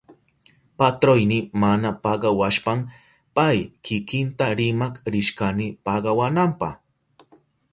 Patroyni mana pagawashpan pay kikinta rimak rishkani pagawananpa.